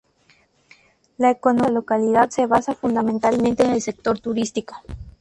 La economía de la localidad se basa fundamentalmente en el sector turístico.